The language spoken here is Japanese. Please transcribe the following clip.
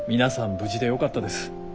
無事でよかったです。